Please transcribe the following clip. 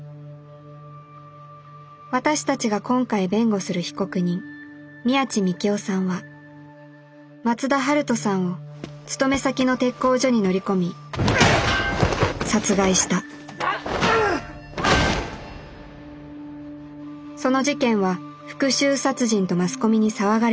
私たちが今回弁護する被告人宮地幹雄さんは松田晴登さんを勤め先の鉄工所に乗り込み殺害したその事件は復讐殺人とマスコミに騒がれている。